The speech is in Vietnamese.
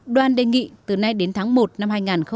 đoàn đề nghị từ nay đến tháng một năm hai nghìn một mươi chín